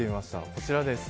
こちらです。